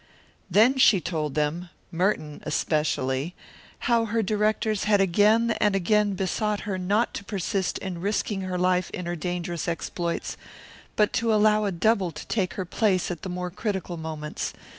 Then she told them Merton especially how her directors had again and again besought her not to persist in risking her life in her dangerous exploits, but to allow a double to take her place at the more critical moments.